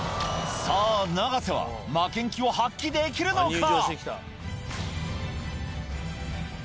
さあ、永瀬は負けん気を発揮できるのか。